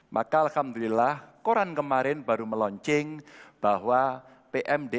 maka alhamdulillah koran kemarin baru meloncing bahwa pmdn